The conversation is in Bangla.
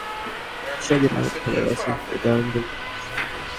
কোচ খালেদ মাহমুদের কাছ থেকে স্বাধীনভাবে খেলার লাইসেন্স পেয়েই দারুণ গতিতে এগিয়েছেন।